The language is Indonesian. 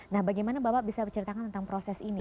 nah bagaimana bapak bisa berceritakan tentang proses ini